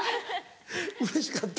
うれしかった？